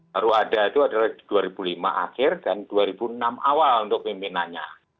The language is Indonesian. baru ada itu adalah dua ribu lima akhir dan dua ribu enam awal untuk pimpinannya